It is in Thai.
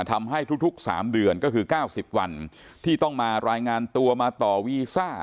ทำให้ทุก๓เดือนก็คือ๙๐วันที่ต้องมารายงานตัวมาต่อวีซ่า